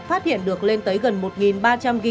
phát hiện được lên tới gần một ba trăm linh g